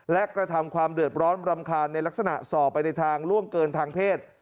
และกระทำความเดือดร้อนรำคาญในลักษณะส่อไปในทางล่วงเกินทางเพศ